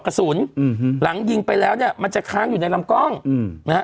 กระสุนอืมหลังยิงไปแล้วเนี่ยมันจะค้างอยู่ในลำกล้องอืมนะฮะ